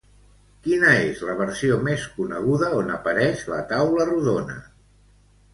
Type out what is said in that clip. Quina és la versió més coneguda on apareix la Taula Rodona?